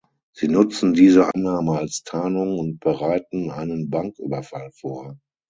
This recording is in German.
Sie nutzen diese Annahme als Tarnung und bereiten einen Banküberfall vor.